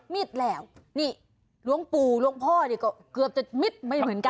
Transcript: มิดแล้วนี่หลวงปู่หลวงพ่อนี่ก็เกือบจะมิดไม่เหมือนกัน